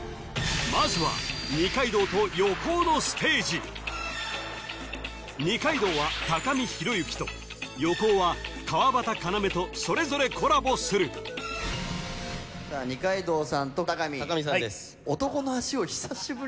まずは二階堂と横尾のステージ二階堂は貴水博之と横尾は川畑要とそれぞれコラボする二階堂さんとタカミー・貴水さんです